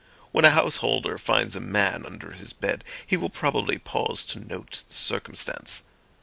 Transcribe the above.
When a householder finds a man under his bed, he will probably pause to note the circumstance.